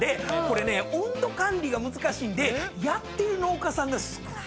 これね温度管理が難しいんでやってる農家さんが少ないんですよ。